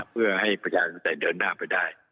เพื่อให้ประชาชนศักดิ์เดินหน้าไปได้